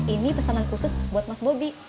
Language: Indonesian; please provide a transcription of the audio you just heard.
ini pesanan khusus buat mas bobi